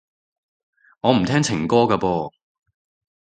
我唔聽情歌㗎噃